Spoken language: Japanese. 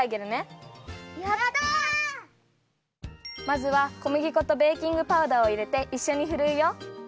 まずはこむぎ粉とベーキングパウダーをいれていっしょにふるうよ。